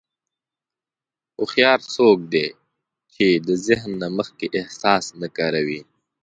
هوښیار څوک دی چې د ذهن نه مخکې احساس نه کاروي.